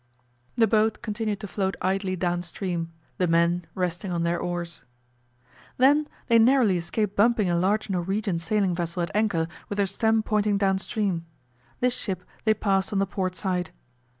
The boat continued to float idly down stream, the men resting on their oars. Then they narrowly escaped bumping a large Norwegian sailing vessel at anchor with her stem pointing down stream. This ship they passed on the port side.